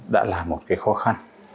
đã là một cái khó khăn